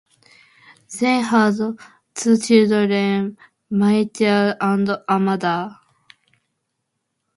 They had two children, Michael and Amber.